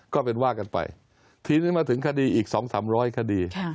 ก็เป็นว่ากันไปทีนี้มาถึงคดีอีก๒๓๐๐คดี